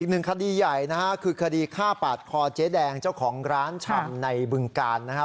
อีกหนึ่งคดีใหญ่นะฮะคือคดีฆ่าปาดคอเจ๊แดงเจ้าของร้านชำในบึงกาลนะครับ